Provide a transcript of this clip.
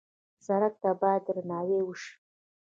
سړک ته باید درناوی وشي.